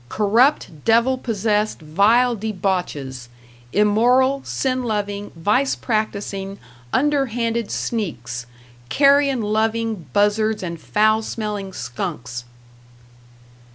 Corrupt, devil possessed, vile debauches.... Immoral, sin loving, vice practicing, underhanded sneaks.... Carrion loving buzzards and foul smelling skunks.